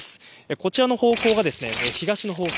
こちらの方向が東の方向